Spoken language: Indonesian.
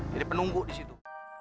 jadi penunggu disitu